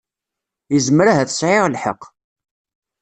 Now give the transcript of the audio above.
Yezmer ahat sɛiɣ lḥeqq.